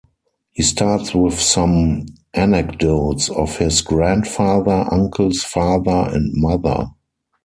He starts with some anecdotes of his grandfather, uncles, father and mother.